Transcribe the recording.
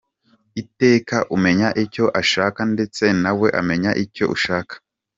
Iteka umenya icyo ashaka ndetse na we amenya icyo ushaka.